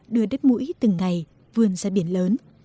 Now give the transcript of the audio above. đưa đất mũi từng ngày vươn ra biển lớn